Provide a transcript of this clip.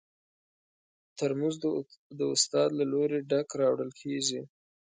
ترموز د استاد له لوري ډک راوړل کېږي.